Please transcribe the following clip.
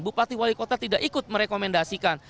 bupati wali kota tidak ikut merekomendasikan